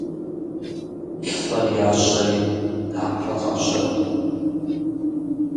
Псэр ящэри напэ къащэху.